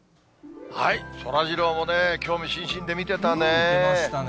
そらジローもね、興味津々で見てましたね。